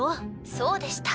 そうでした。